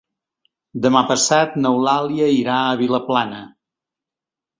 Demà passat n'Eulàlia irà a Vilaplana.